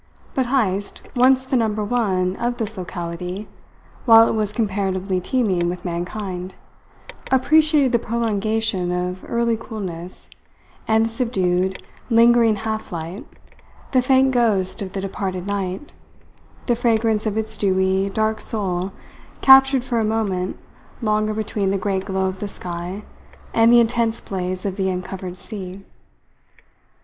But Heyst, once the Number One of this locality, while it was comparatively teeming with mankind, appreciated the prolongation of early coolness, the subdued, lingering half light, the faint ghost of the departed night, the fragrance of its dewy, dark soul captured for a moment longer between the great glow of the sky and the intense blaze of the uncovered sea.